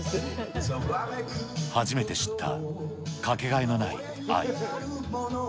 初めて知った掛けがえのない愛。